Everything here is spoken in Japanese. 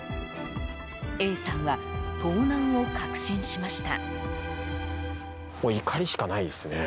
Ａさんは、盗難を確信しました。